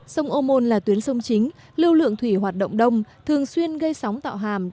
sông ô môn là tuyến sông chính lưu lượng thủy hoạt động đông thường xuyên gây sóng tạo hàm